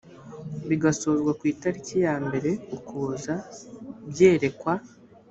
bigasozwa ku itariki ya mbere ukuboza byerekwa